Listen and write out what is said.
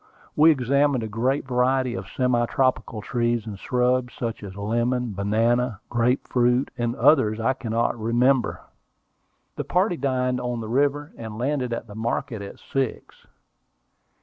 We examined a great variety of semi tropical trees and shrubs, such as lemon, banana, grape fruit, and others I cannot remember. The party dined on the river, and landed at the market at six.